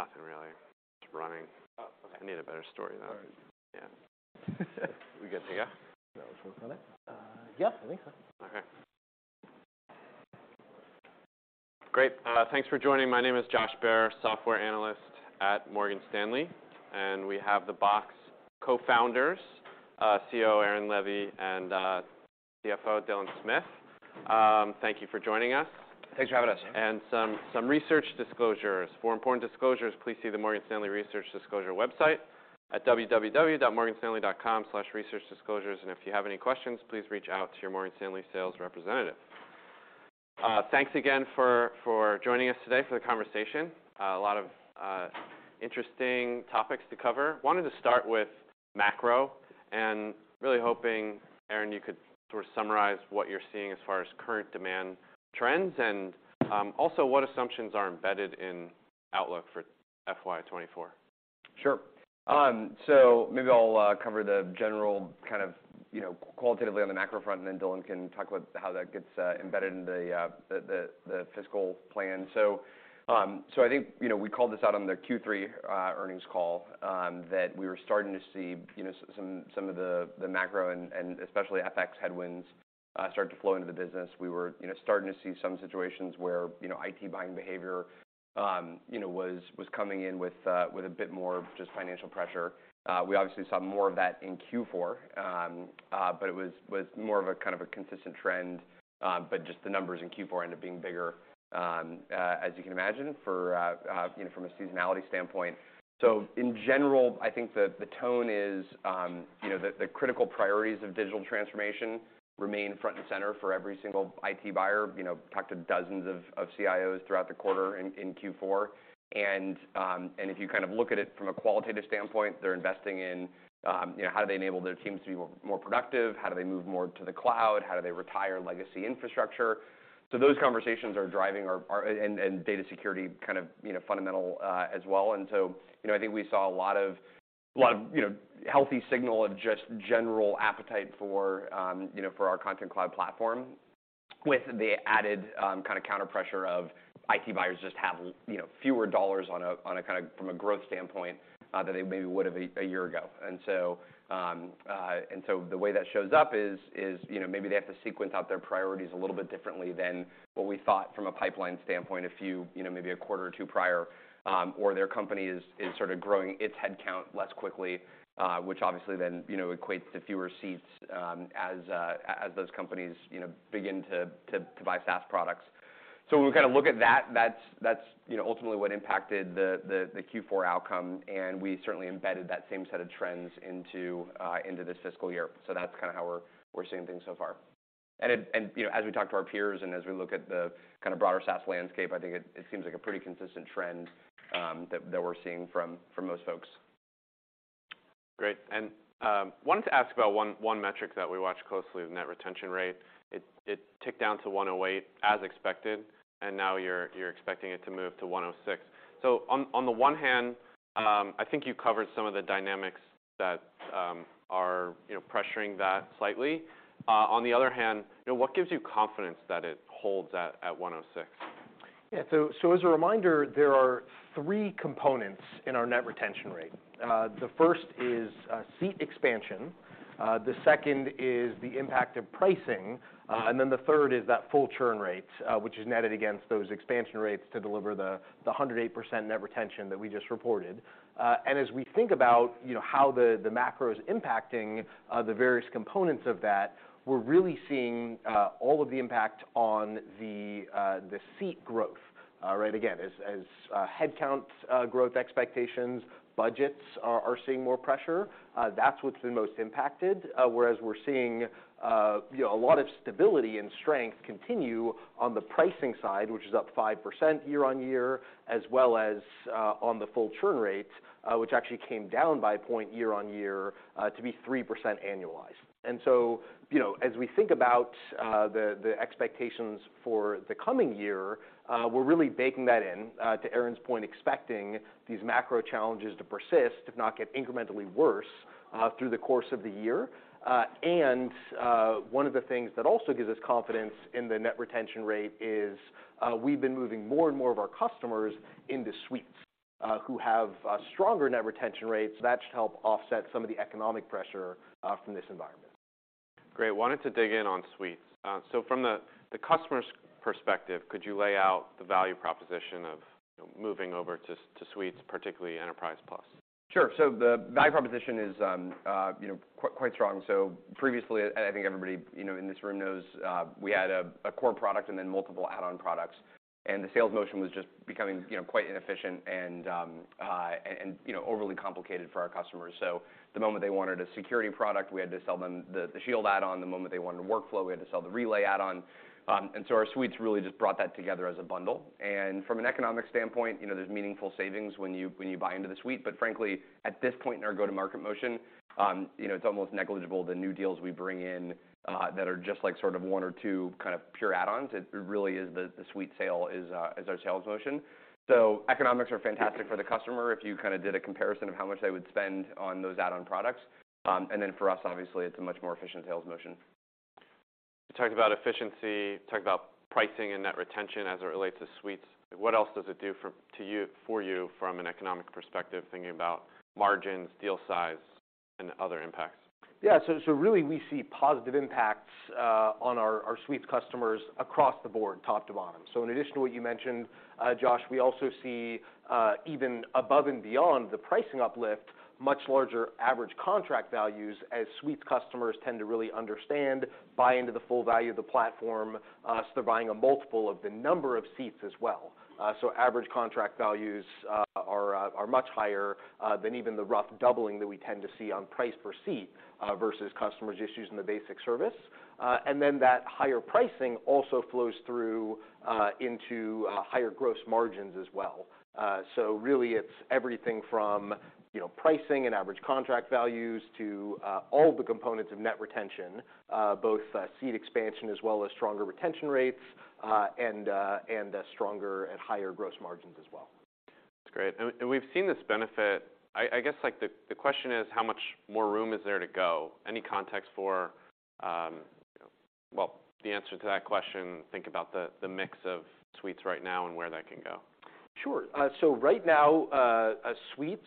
Nothing really. Just running. Oh, okay. I need a better story though. All right. Yeah. We good to go? That was. Okay. Yeah, I think so. Okay. Great. Thanks for joining. My name is Josh Baer, software analyst at Morgan Stanley. We have the Box co-founders, CEO Aaron Levie, and CFO Dylan Smith. Thank you for joining us. Thanks for having us. Some research disclosures. For important disclosures, please see the Morgan Stanley Research Disclosures website at www.morganstanley.com/researchdisclosures. If you have any questions, please reach out to your Morgan Stanley sales representative. Thanks again for joining us today for the conversation. A lot of interesting topics to cover. Wanted to start with macro, and really hoping, Aaron, you could sort of summarize what you're seeing as far as current demand trends and, also what assumptions are embedded in outlook for FY 2024. Sure. Maybe I'll cover the general kind of, you know, qualitatively on the macro front, and then Dylan can talk about how that gets embedded into the fiscal plan. I think, you know, we called this out on the Q3 earnings call that we were starting to see, you know, some of the macro and especially FX headwinds start to flow into the business. We were, you know, starting to see some situations where, you know, IT buying behavior, you know, was coming in with a bit more of just financial pressure. We obviously saw more of that in Q4. But it was more of a kind of a consistent trend, but just the numbers in Q4 end up being bigger, as you can imagine for, you know, from a seasonality standpoint. In general, I think the tone is, you know, the critical priorities of digital transformation remain front and center for every single IT buyer. You know, talked to dozens of CIOs throughout the quarter in Q4, and if you kind of look at it from a qualitative standpoint, they're investing in, you know, how do they enable their teams to be more productive, how do they move more to the cloud, how do they retire legacy infrastructure. Those conversations are driving. Data security kind of, you know, fundamental as well. You know, I think we saw a lot of, you know, healthy signal of just general appetite for, you know, for our Content Cloud platform with the added, kinda counterpressure of IT buyers just have you know, fewer dollars on a kinda from a growth standpoint, than they maybe would have a year ago. The way that shows up is, you know, maybe they have to sequence out their priorities a little bit differently than what we thought from a pipeline standpoint a few, you know, maybe a quarter or two prior, or their company is sorta growing its headcount less quickly, which obviously then, you know, equates to fewer seats, as those companies, you know, begin to buy SaaS products. When we kinda look at that's, you know, ultimately what impacted the Q4 outcome, and we certainly embedded that same set of trends into this fiscal year. That's kinda how we're seeing things so far. You know, as we talk to our peers and as we look at the kinda broader SaaS landscape, I think it seems like a pretty consistent trend that we're seeing from most folks. Great. wanted to ask about one metric that we watch closely, the net retention rate. It ticked down to 108% as expected, and now you're expecting it to move to 106%. On the one hand, I think you covered some of the dynamics that are, you know, pressuring that slightly. On the other hand, you know, what gives you confidence that it holds at 106%? As a reminder, there are three components in our net retention rate. The first is seat expansion. The second is the impact of pricing. Then the third is that full churn rate, which is netted against those expansion rates to deliver the 108% net retention that we just reported. As we think about, you know, how the macro's impacting the various components of that, we're really seeing all of the impact on the seat growth. Right again, as headcounts growth expectations, budgets are seeing more pressure, that's what's been most impacted, whereas we're seeing, you know, a lot of stability and strength continue on the pricing side, which is up 5% year-over-year, as well as on the full churn rate, which actually came down by a point year-over-year, to be 3% annualized. You know, as we think about the expectations for the coming year, we're really baking that in, to Aaron's point, expecting these macro challenges to persist, if not get incrementally worse, through the course of the year. One of the things that also gives us confidence in the net retention rate is, we've been moving more and more of our customers into suites, who have, stronger net retention rates. That should help offset some of the economic pressure, from this environment. Great. Wanted to dig in on suites. From the customer's perspective, could you lay out the value proposition of, you know, moving over to suites, particularly Enterprise Plus? Sure. The value proposition is, you know, quite strong. Previously, and I think everybody, you know, in this room knows, we had a core product and then multiple add-on products, and the sales motion was just becoming, you know, quite inefficient and, you know, overly complicated for our customers. The moment they wanted a security product, we had to sell them the Shield add-on, the moment they wanted a workflow, we had to sell the Relay add-on. Our suites really just brought that together as a bundle. From an economic standpoint, you know, there's meaningful savings when you, when you buy into the suite. Frankly, at this point in our go-to-market motion, you know, it's almost negligible the new deals we bring in, that are just like sort of one or two kind of pure add-ons. It really is the suite sale is our sales motion. Economics are fantastic for the customer if you kinda did a comparison of how much they would spend on those add-on products. Then for us, obviously, it's a much more efficient sales motion. You talked about efficiency, you talked about pricing and net retention as it relates to suites. What else does it do for you from an economic perspective, thinking about margins, deal size, and other impacts? Yeah. Really we see positive impacts on our suites customers across the board, top to bottom. In addition to what you mentioned, Josh, we also see even above and beyond the pricing uplift, much larger average contract values as suite customers tend to really understand, buy into the full value of the platform, so they're buying a multiple of the number of seats as well. Average contract values are much higher than even the rough doubling that we tend to see on price per seat versus customers just using the basic service. That higher pricing also flows through into higher gross margins as well. Really it's everything from, you know, pricing and average contract values to all the components of net retention, both seat expansion as well as stronger retention rates, and stronger and higher gross margins as well. That's great. We've seen this benefit. I guess, like the question is how much more room is there to go? Any context for, well, the answer to that question, think about the mix of suites right now and where that can go. Sure. So right now, suites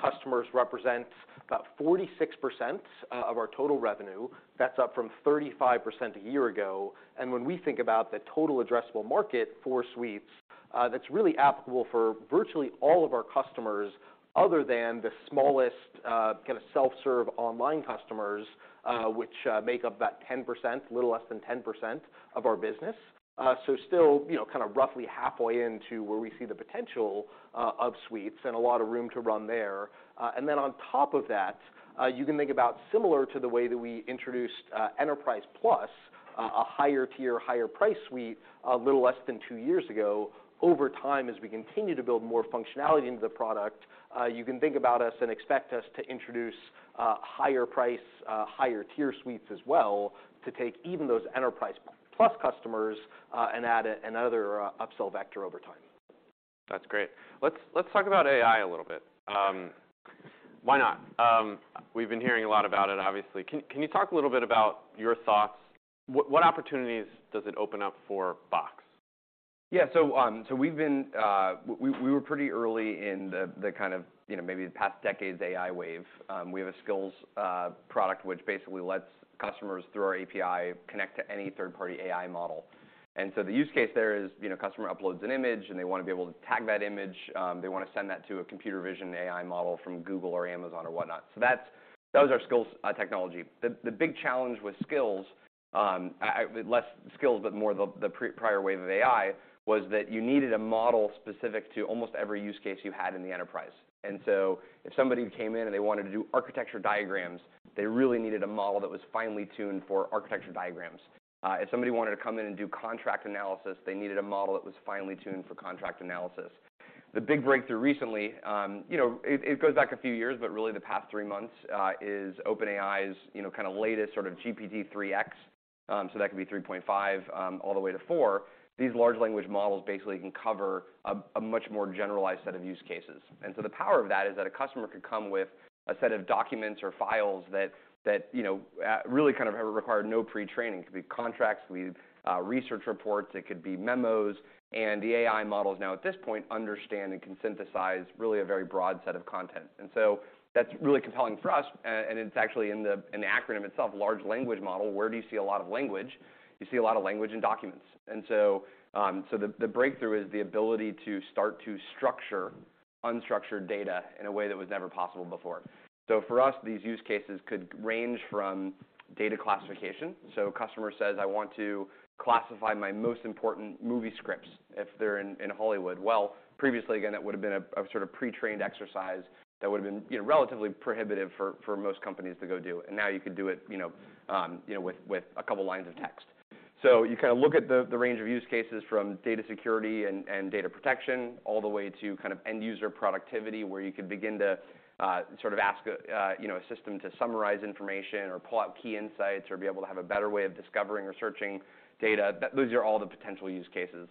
customers represent about 46% of our total revenue. That's up from 35% a year ago. When we think about the total addressable market for suites, that's really applicable for virtually all of our customers other than the smallest, kinda self-serve online customers, which make up about 10%, a little less than 10% of our business. Still, you know, kinda roughly halfway into where we see the potential of suites and a lot of room to run there. Then on top of that, you can think about similar to the way that we introduced Enterprise Plus, a higher tier, higher price suite a little less than two years ago. Over time, as we continue to build more functionality into the product, you can think about us and expect us to introduce, higher price, higher tier suites as well to take even those Enterprise Plus customers, and add another, upsell vector over time. That's great. Let's talk about AI a little bit. Why not? We've been hearing a lot about it, obviously. Can you talk a little bit about your thoughts? What opportunities does it open up for Box? Yeah. We were pretty early in the kind of, you know, maybe the past decade's AI wave. We have a Skills product, which basically lets customers, through our API, connect to any third-party AI model. The use case there is, you know, customer uploads an image, and they wanna be able to tag that image. They wanna send that to a computer vision AI model from Google or Amazon or whatnot. That was our Skills technology. The big challenge with Skills, less skill, but more the prior wave of AI, was that you needed a model specific to almost every use case you had in the enterprise. If somebody came in and they wanted to do architecture diagrams, they really needed a model that was finely tuned for architecture diagrams. If somebody wanted to come in and do contract analysis, they needed a model that was finely tuned for contract analysis. The big breakthrough recently, you know, it goes back a few years, but really the past three months, is OpenAI's, you know, kinda latest sort of GPT-3x, so that could be 3.5 all the way to 4. These large language models basically can cover a much more generalized set of use cases. The power of that is that a customer could come with a set of documents or files that, you know, really kind of required no pre-training. It could be contracts, it could be research reports, it could be memos, and the AI models now at this point understand and can synthesize really a very broad set of content. That's really compelling for us, and it's actually in the acronym itself, large language model, where do you see a lot of language? You see a lot of language in documents. The breakthrough is the ability to start to structure unstructured data in a way that was never possible before. For us, these use cases could range from data classification. Customer says, "I want to classify my most important movie scripts," if they're in Hollywood. Previously, again, it would've been a sort of pre-trained exercise that would've been, you know, relatively prohibitive for most companies to go do, and now you could do it, you know, with a couple lines of text. You kinda look at the range of use cases from data security and data protection, all the way to kind of end user productivity, where you could begin to sort of ask a system to summarize information or pull out key insights or be able to have a better way of discovering or searching data. Those are all the potential use cases.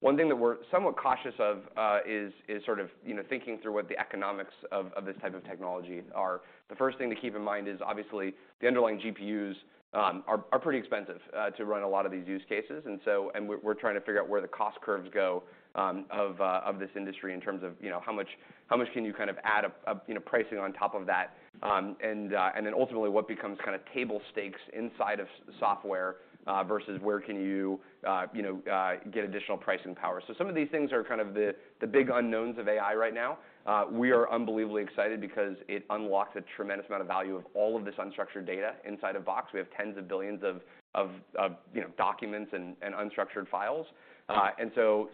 One thing that we're somewhat cautious of, sort of, you know, thinking through what the economics of this type of technology are. The first thing to keep in mind is obviously the underlying GPUs are pretty expensive to run a lot of these use cases. We're trying to figure out where the cost curves go of this industry in terms of, you know, how much can you kind of add a, you know, pricing on top of that. Then ultimately, what becomes kinda table stakes inside of software versus where can you know, get additional pricing power. Some of these things are kind of the big unknowns of AI right now. We are unbelievably excited because it unlocks a tremendous amount of value of all of this unstructured data inside of Box. We have tens of billions of, you know, documents and unstructured files.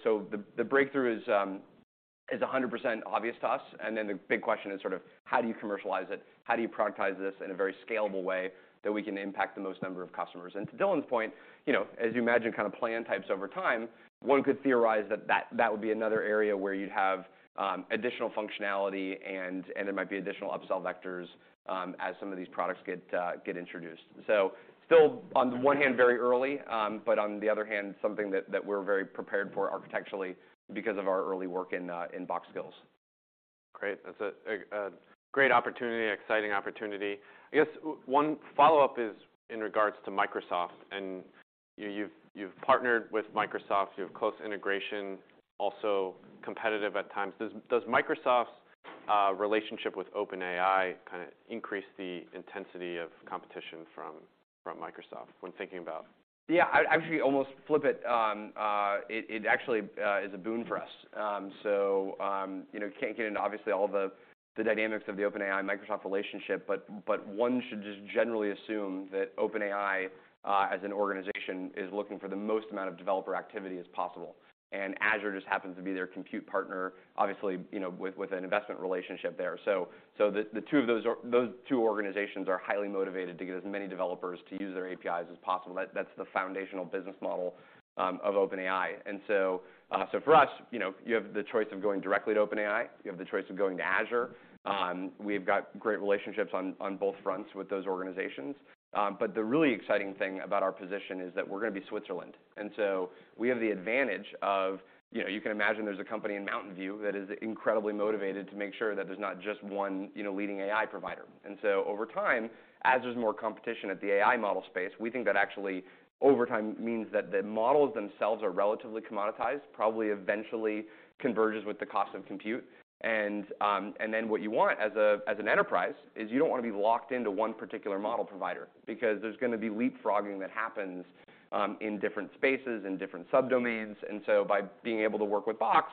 So the breakthrough is 100% obvious to us, the big question is sort of: How do you commercialize it? How do you productize this in a very scalable way that we can impact the most number of customers? To Dylan's point, you know, as you imagine kinda plan types over time, one could theorize that that would be another area where you'd have additional functionality and there might be additional upsell vectors as some of these products get introduced. Still on the one hand, very early, but on the other hand, something that we're very prepared for architecturally because of our early work in Box Skills. Great. That's a great opportunity, exciting opportunity. I guess one follow-up is in regards to Microsoft. You've partnered with Microsoft, you have close integration, also competitive at times. Does Microsoft's relationship with OpenAI kinda increase the intensity of competition from Microsoft when thinking about- Yeah. I actually almost flip it. It actually is a boon for us. You know, can't get into, obviously, all the dynamics of the OpenAI Microsoft relationship, but one should just generally assume that OpenAI as an organization is looking for the most amount of developer activity as possible, and Azure just happens to be their compute partner, obviously, you know, with an investment relationship there. The two of those organizations are highly motivated to get as many developers to use their APIs as possible. That's the foundational business model of OpenAI. For us, you know, you have the choice of going directly to OpenAI, you have the choice of going to Azure. We've got great relationships on both fronts with those organizations. The really exciting thing about our position is that we're gonna be Switzerland, and so we have the advantage of, you know, you can imagine there's a company in Mountain View that is incredibly motivated to make sure that there's not just one, you know, leading AI provider. Over time, as there's more competition at the AI model space, we think that actually over time means that the models themselves are relatively commoditized, probably eventually converges with the cost of compute. What you want as a, as an enterprise is you don't wanna be locked into one particular model provider, because there's gonna be leapfrogging that happens in different spaces, in different sub-domains. By being able to work with Box,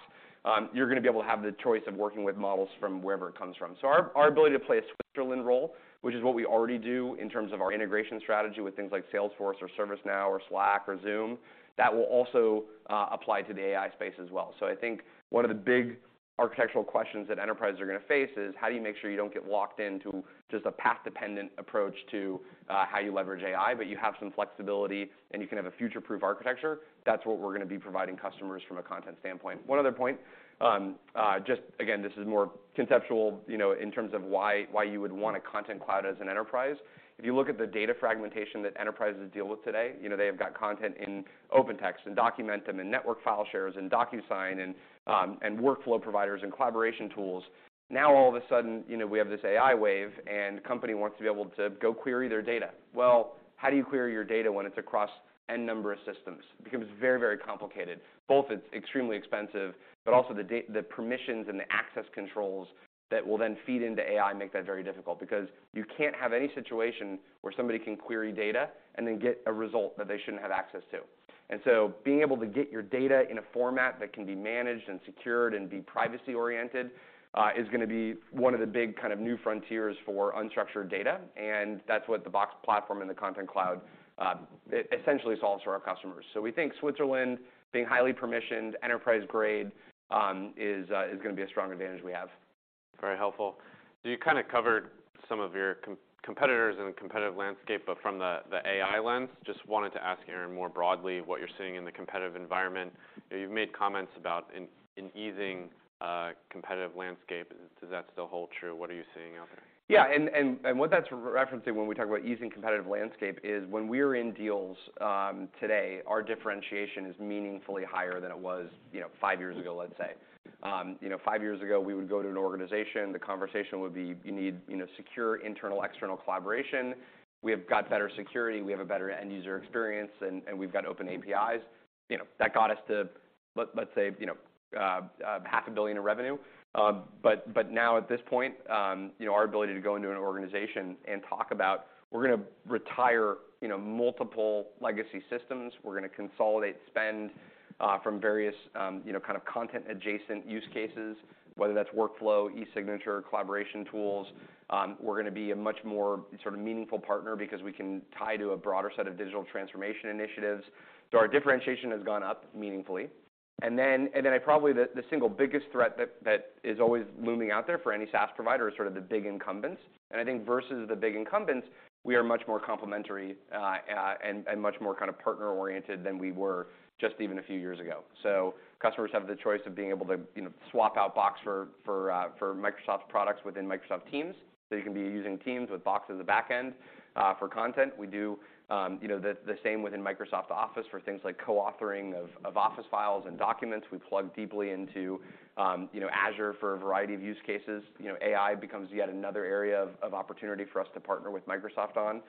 you're gonna be able to have the choice of working with models from wherever it comes from. Our ability to play a Switzerland role, which is what we already do in terms of our integration strategy with things like Salesforce or ServiceNow or Slack or Zoom, that will also apply to the AI space as well. I think one of the big architectural questions that enterprises are gonna face is, how do you make sure you don't get locked into just a path-dependent approach to how you leverage AI, but you have some flexibility and you can have a future-proof architecture? That's what we're gonna be providing customers from a content standpoint. One other point, just again, this is more conceptual, you know, in terms of why you would want a Content Cloud as an enterprise. If you look at the data fragmentation that enterprises deal with today, you know, they have got content in OpenText and Documentum and in network file shares, in DocuSign, in workflow providers and collaboration tools. All of a sudden, you know, we have this AI wave, company wants to be able to go query their data. Well, how do you query your data when it's across N number of systems? Becomes very, very complicated. Both it's extremely expensive, but also the permissions and the access controls that will then feed into AI make that very difficult. You can't have any situation where somebody can query data and then get a result that they shouldn't have access to. Being able to get your data in a format that can be managed and secured and be privacy-oriented, is gonna be one of the big kind of new frontiers for unstructured data, and that's what the Box platform and the Content Cloud, essentially solves for our customers. We think Switzerland being highly permissioned, enterprise-grade, is gonna be a strong advantage we have. Very helpful. You kinda covered some of your competitors in the competitive landscape, but from the AI lens, just wanted to ask, Aaron, more broadly what you're seeing in the competitive environment. You've made comments about an easing competitive landscape. Does that still hold true? What are you seeing out there? Yeah. What that's referencing when we talk about easing competitive landscape is when we're in deals, today, our differentiation is meaningfully higher than it was, you know, five years ago, let's say. You know, five years ago, we would go to an organization, the conversation would be, "You need, you know, secure internal, external collaboration. We have got better security, we have a better end user experience, and we've got open APIs." You know, that got us to let's say, you know, half a billion in revenue. Now at this point, you know, our ability to go into an organization and talk about, we're gonna retire, you know, multiple legacy systems. We're gonna consolidate spend, from various, you know, kind of content-adjacent use cases, whether that's workflow, e-signature, collaboration tools. We're gonna be a much more sort of meaningful partner because we can tie to a broader set of digital transformation initiatives. Our differentiation has gone up meaningfully. The single biggest threat that is always looming out there for any SaaS provider is sort of the big incumbents. I think versus the big incumbents, we are much more complementary and much more kind of partner-oriented than we were just even a few years ago. Customers have the choice of being able to, you know, swap out Box for Microsoft products within Microsoft Teams, so you can be using Teams with Box in the back end for content. We do, you know, the same within Microsoft Office for things like co-authoring of Office files and documents. We plug deeply into, you know, Azure for a variety of use cases. You know, AI becomes yet another area of opportunity for us to partner with Microsoft on.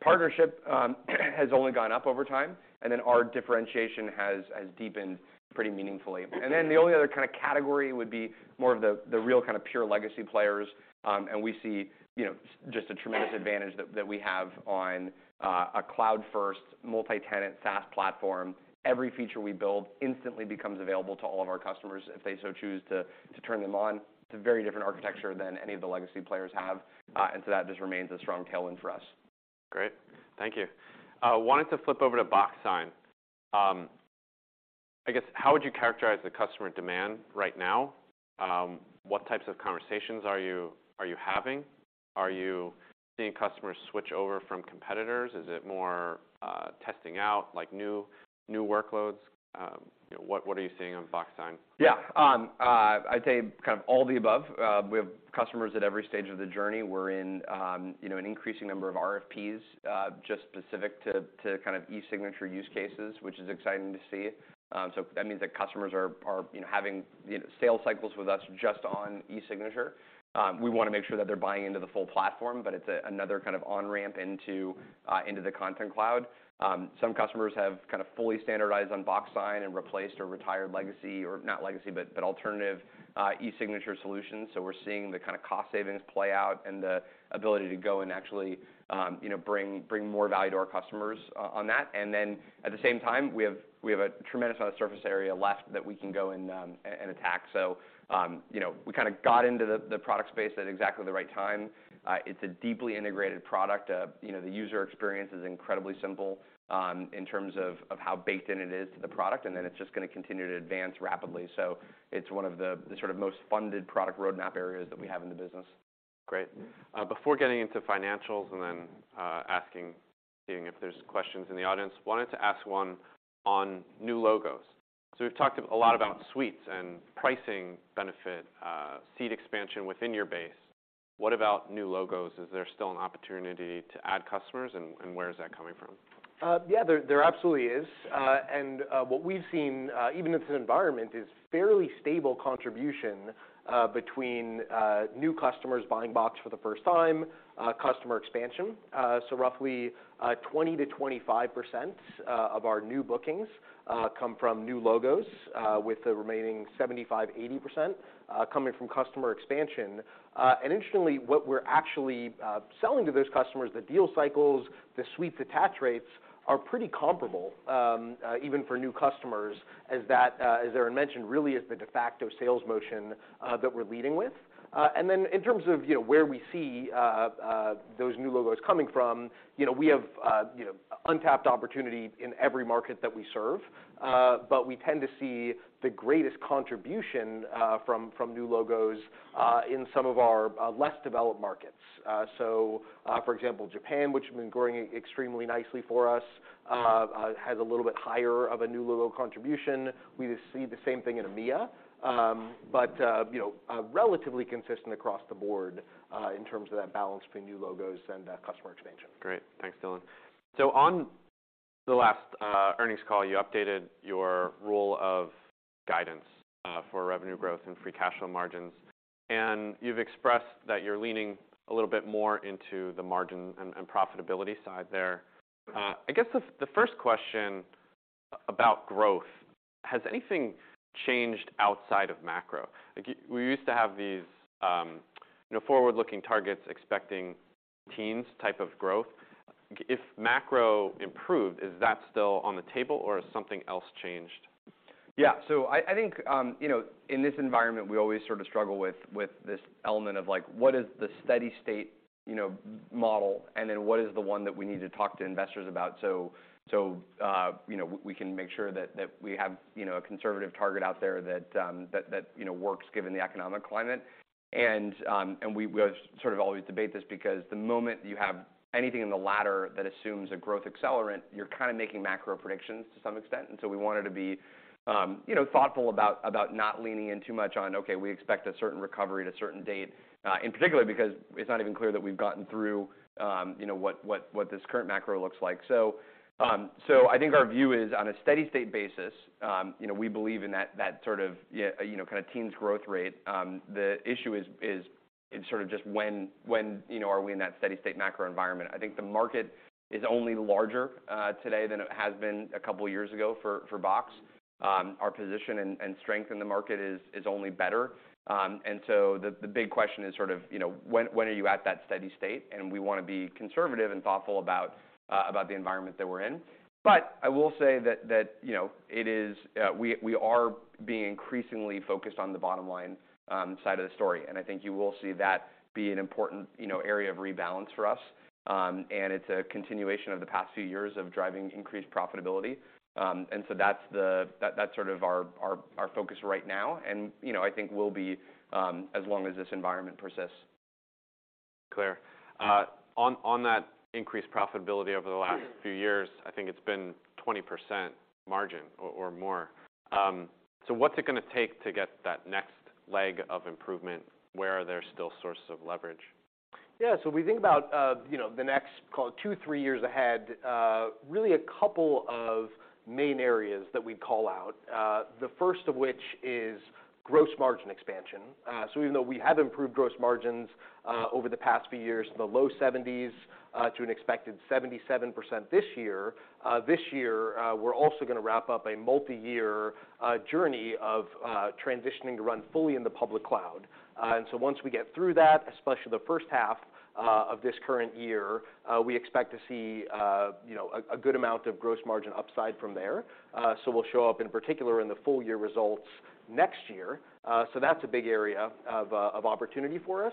Partnership has only gone up over time. Our differentiation has deepened pretty meaningfully. The only other kind of category would be more of the real kind of pure legacy players, and we see, you know, just a tremendous advantage that we have on a cloud-first multi-tenant SaaS platform. Every feature we build instantly becomes available to all of our customers if they so choose to turn them on. It's a very different architecture than any of the legacy players have. That just remains a strong tailwind for us. Great. Thank you. wanted to flip over to Box Sign. I guess how would you characterize the customer demand right now? What types of conversations are you having? Are you seeing customers switch over from competitors? Is it more, testing out like new workloads? What are you seeing on Box Sign? Yeah. I'd say kind of all the above. We have customers at every stage of the journey. We're in, you know, an increasing number of RFPs, just specific to kind of e-signature use cases, which is exciting to see. That means that customers are, you know, having, you know, sales cycles with us just on e-signature. We wanna make sure that they're buying into the full platform, but it's another kind of on-ramp into the Content Cloud. Some customers have kind of fully standardized on Box Sign and replaced or retired legacy, or not legacy, but alternative e-signature solutions. We're seeing the kind of cost savings play out and the ability to go and actually, you know, bring more value to our customers on that. At the same time, we have a tremendous amount of surface area left that we can go and attack. You know, we kind of got into the product space at exactly the right time. It's a deeply integrated product. You know, the user experience is incredibly simple, in terms of how baked in it is to the product, and then it's just gonna continue to advance rapidly. It's one of the sort of most funded product roadmap areas that we have in the business. Great. Before getting into financials and then, asking, seeing if there's questions in the audience, wanted to ask one on new logos. We've talked a lot about suites and pricing benefit, seat expansion within your base. What about new logos? Is there still an opportunity to add customers, and where is that coming from? Yeah, there absolutely is. What we've seen, even if the environment is fairly stable contribution, between new customers buying Box for the first time, customer expansion. Roughly 20%-25% of our new bookings come from new logos, with the remaining 75%-80% coming from customer expansion. Interestingly, what we're actually selling to those customers, the deal cycles, the suite detach rates are pretty comparable, even for new customers as that as Aaron mentioned, really is the de facto sales motion that we're leading with. Then in terms of, you know, where we see those new logos coming from, you know, we have, you know, untapped opportunity in every market that we serve. We tend to see the greatest contribution from new logos in some of our less developed markets. For example, Japan, which has been growing extremely nicely for us, has a little bit higher of a new logo contribution. We see the same thing in EMEA. You know, relatively consistent across the board in terms of that balance between new logos and customer expansion. Great. Thanks, Dylan. On the last earnings call, you updated your rule of guidance for revenue growth and free cash flow margins. You've expressed that you're leaning a little bit more into the margin and profitability side there. I guess the first question about growth, has anything changed outside of macro? We used to have these, you know, forward-looking targets expecting teens type of growth. If macro improved, is that still on the table or has something else changed? Yeah. I think, you know, in this environment, we always sort of struggle with this element of like, what is the steady state, you know, model, and then what is the one that we need to talk to investors about so, you know, we can make sure that we have, you know, a conservative target out there that, you know, works given the economic climate. We sort of always debate this because the moment you have anything in the latter that assumes a growth accelerant, you're kind of making macro predictions to some extent. We wanted to be, you know, thoughtful about not leaning in too much on, okay, we expect a certain recovery at a certain date, in particular, because it's not even clear that we've gotten through, you know, what this current macro looks like. I think our view is on a steady state basis, you know, we believe in that sort of, yeah, you know, kind of teens growth rate. The issue is sort of just when, you know, are we in that steady state macro environment? I think the market is only larger today than it has been a couple of years ago for Box. Our position and strength in the market is only better. The big question is sort of, you know, when are you at that steady state? We wanna be conservative and thoughtful about the environment that we're in. I will say that, you know, it is, we are being increasingly focused on the bottom line side of the story. I think you will see that be an important, you know, area of rebalance for us. It's a continuation of the past few years of driving increased profitability. That's sort of our focus right now. You know, I think will be as long as this environment persists. Clear. On that increased profitability over the last few years, I think it's been 20% margin or more. What's it gonna take to get that next leg of improvement? Where are there still sources of leverage? We think about, you know, the next, call it, two, three years ahead, really a couple of main areas that we'd call out. The first of which is gross margin expansion. Even though we have improved gross margins over the past few years, the low 70s to an expected 77% this year, we're also gonna wrap up a multi-year journey of transitioning to run fully in the public cloud. Once we get through that, especially the first half of this current year, we expect to see, you know, a good amount of gross margin upside from there. We'll show up in particular in the full-year results next year. That's a big area of opportunity for us.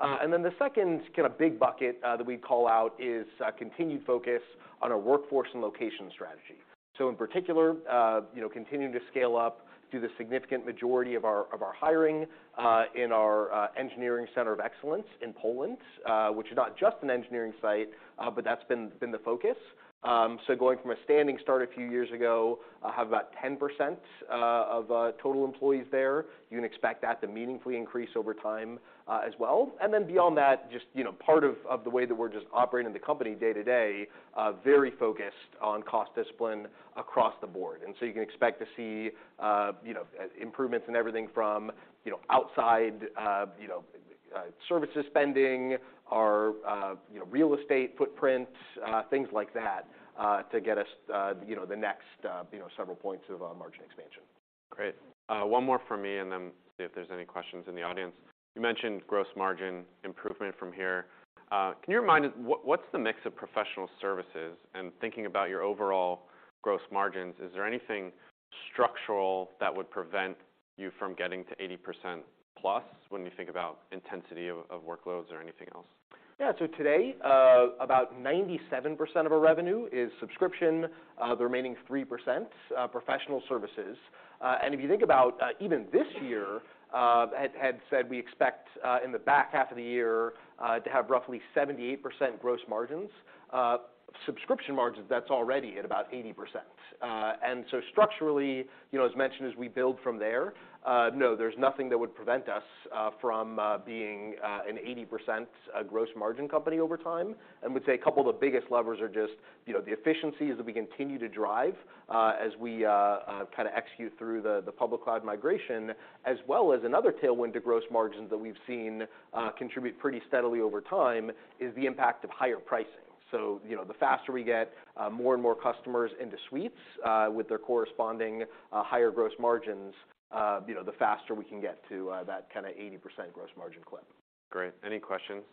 The second kinda big bucket that we'd call out is continued focus on our workforce and location strategy. In particular, you know, continuing to scale up through the significant majority of our hiring, in our engineering center of excellence in Poland, which is not just an engineering site, but that's been the focus. Going from a standing start a few years ago, have about 10% of total employees there, you can expect that to meaningfully increase over time as well. Beyond that just, you know, part of the way that we're just operating the company day-to-day, very focused on cost discipline across the board. You can expect to see, you know, improvements in everything from, you know, outside, you know, services spending, our, you know, real estate footprint, things like that, to get us, you know, the next, you know, several points of, margin expansion. Great. One more from me, and then see if there's any questions in the audience. You mentioned gross margin improvement from here. Can you remind us what's the mix of professional services? Thinking about your overall gross margins, is there anything structural that would prevent you from getting to 80%+ when you think about intensity of workloads or anything else? Today, about 97% of our revenue is subscription, the remaining 3%, professional services. If you think about even this year, said we expect in the back half of the year to have roughly 78% gross margins, subscription margins, that's already at about 80%. Structurally, you know, as mentioned, as we build from there, no, there's nothing that would prevent us from being an 80% gross margin company over time. Would say a couple of the biggest levers are just, you know, the efficiencies that we continue to drive, as we kinda execute through the public cloud migration, as well as another tailwind to gross margins that we've seen, contribute pretty steadily over time, is the impact of higher pricing. You know, the faster we get more and more customers into suites, with their corresponding higher gross margins, you know, the faster we can get to that kinda 80% gross margin clip. Great. Any questions?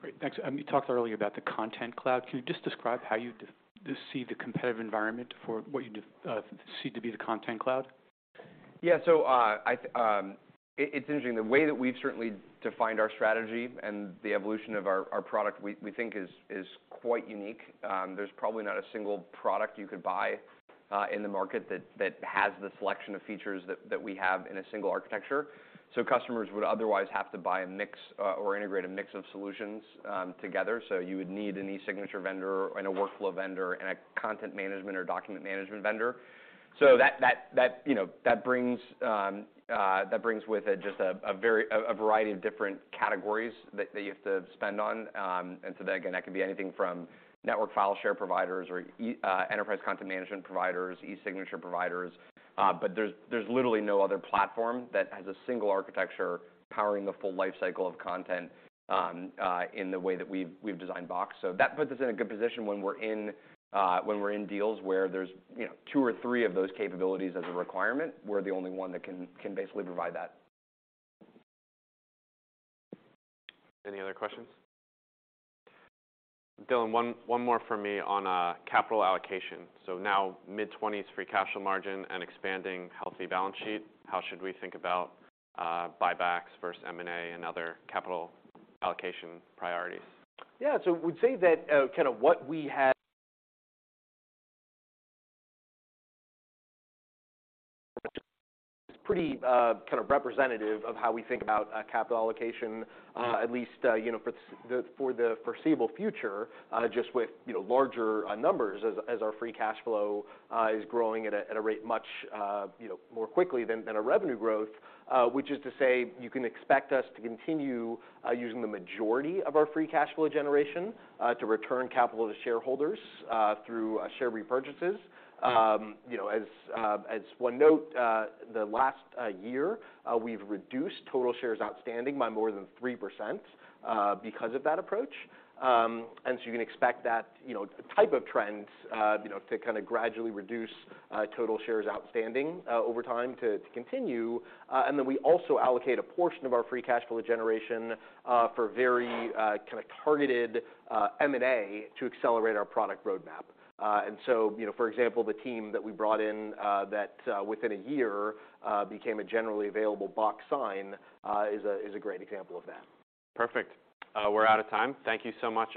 Great. Thanks. You talked earlier about the Content Cloud. Can you just describe how you see the competitive environment for what you see to be the Content Cloud? Yeah. It's interesting, the way that we've certainly defined our strategy and the evolution of our product, we think is quite unique. There's probably not a single product you could buy in the market that has the selection of features that we have in a single architecture. Customers would otherwise have to buy a mix or integrate a mix of solutions together. You would need an e-signature vendor and a workflow vendor and a content management or document management vendor. That, you know, that brings with it just a very, a variety of different categories that you have to spend on. Again, that could be anything from network file share providers or enterprise content management providers, e-signature providers, but there's literally no other platform that has a single architecture powering the full life cycle of content in the way that we've designed Box. That puts us in a good position when we're in, when we're in deals where there's, you know, two or three of those capabilities as a requirement. We're the only one that can basically provide that. Any other questions? Dylan, one more for me on capital allocation. Now mid-20s free cash margin and expanding healthy balance sheet, how should we think about buybacks versus M&A and other capital allocation priorities? Yeah. Would say that, kind of what we had. It's pretty, kind of representative of how we think about capital allocation, at least, you know, for the foreseeable future, just with, you know, larger numbers as our free cash flow is growing at a rate much, you know, more quickly than our revenue growth. Which is to say you can expect us to continue using the majority of our free cash flow generation to return capital to shareholders through share repurchases. You know, as one note, the last year, we've reduced total shares outstanding by more than 3% because of that approach. You can expect that, you know, type of trends, you know, to kinda gradually reduce total shares outstanding over time to continue. We also allocate a portion of our free cash flow generation for very kinda targeted M&A to accelerate our product roadmap. You know, for example, the team that we brought in that within a year became a generally available Box Sign is a great example of that. Perfect. We're out of time. Thank you so much.